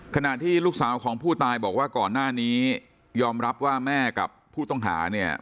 ขณะที่ลูกสาวของผู้ตายบอกว่าก่อนหน้านี้ยอมรับว่าแม่กับผู้ต้องหาเนี่ย